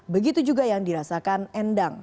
begitu juga yang dirasakan endang